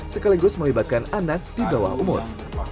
sekaligus melibatkan anak di bawah umur